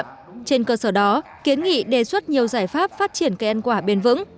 trên cơ sở đó kiến nghị đề xuất nhiều giải pháp phát triển cây ăn quả bền vững